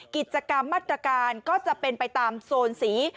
กิจกรรมมาตรการก็จะเป็นไปตามโซนสี